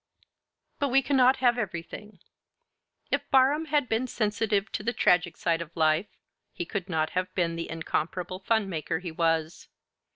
But we cannot have everything: if Barham had been sensitive to the tragic side of life, he could not have been the incomparable fun maker he was.